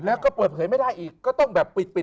แล้วก็เปิดเผยไม่ได้อีกก็ต้องแบบปิด